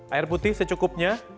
air putih secukupnya